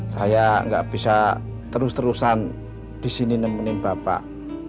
saya nggak bisa terus terusan disini nemenin bapak